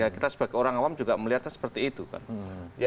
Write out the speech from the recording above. kita sebagai orang awam juga melihatnya seperti itu kan